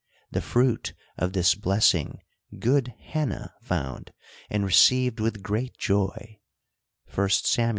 The fruit of this blessing good Hannah found, and received with great joy (1 Sam.